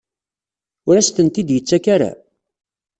Ur as-tent-id-yettak ara?